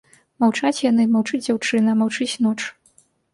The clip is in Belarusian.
Маўчаць яны, маўчыць дзяўчына, маўчыць ноч.